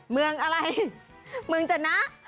เมืองอะไรเมืองจนะ